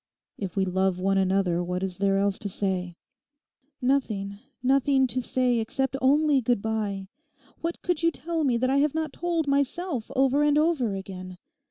If we love one another, what is there else to say?' 'Nothing, nothing to say, except only good bye. What could you tell me that I have not told myself over and over again?